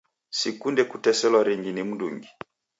Sikunde kuteselwa ringi ni mndungi